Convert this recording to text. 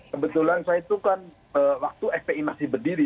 kebetulan saya itu kan waktu fpi masih berdiri